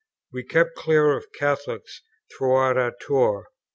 We kept clear of Catholics throughout our tour.